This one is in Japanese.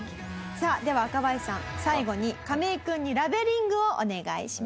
さあでは若林さん最後にカメイ君にラベリングをお願いします。